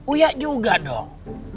uya juga dong